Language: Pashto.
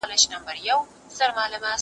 زه اجازه لرم چي وخت تېرووم!.